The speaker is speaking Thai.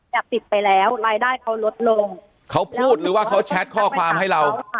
อยากปิดไปแล้วรายได้เขาลดลงเขาพูดหรือว่าเขาแชทข้อความให้เรา